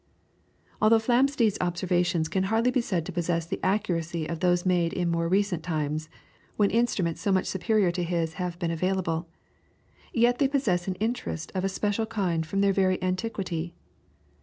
Although Flamsteed's observations can hardly be said to possess the accuracy of those made in more recent times, when instruments so much superior to his have been available, yet they possess an interest of a special kind from their very antiquity.